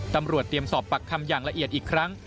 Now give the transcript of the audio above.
ตำรวจเตรียมสอบปากคำอย่างละเอียดอีกครั้ง